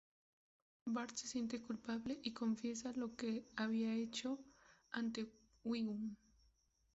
Bart se siente culpable, y confiesa lo que había hecho ante Wiggum.